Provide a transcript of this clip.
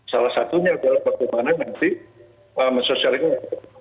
salah satunya adalah bagaimana nanti mensosialisasikan